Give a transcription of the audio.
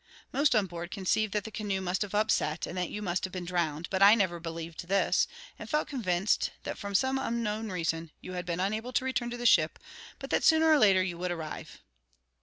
Most on board conceived that the canoe must have upset, and that you must have been drowned; but I never believed this, and felt convinced that, from some unknown reason, you had been unable to return to the ship, but that sooner or later you would arrive.